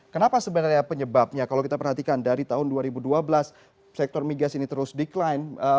kenapa sebenarnya penyebabnya kalau kita perhatikan dari tahun dua ribu dua belas sektor migas ini terus decline